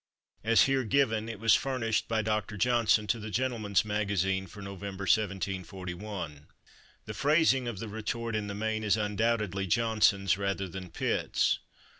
As here given, it was furnished by Doctor Johnson to The Gentleman's 2Iagazhie for November, 1741. The phrasing of the retort in the main is un doubtedly Johnson's rather than Pitt's.